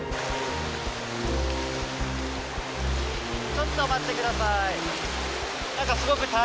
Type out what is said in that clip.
ちょっと待って下さい。